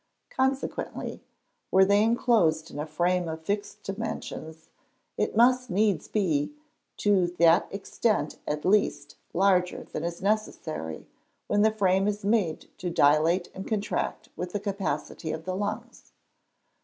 Consequently, were they enclosed in a frame of fixed dimensions, it must needs be, to that extent at least, larger than is necessary, when the frame is made to dilate and contract with the capacity of the lungs.